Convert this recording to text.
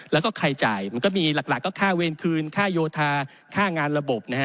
แล้วก็ใครจ่ายมันก็มีหลักก็ค่าเวรคืนค่าโยธาค่างานระบบนะฮะ